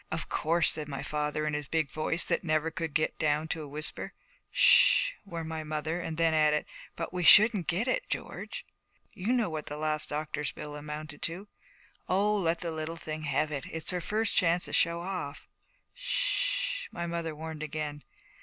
'Of course,' said my father in his big voice that never could get down to a whisper. 'S sh,' warned my mother; and then added, 'But we shouldn't get it, George. You know what the last doctor's bill amounted to.' 'Oh, let the little thing have it. It's her first chance to show off.' 'S sh,' my mother warned again.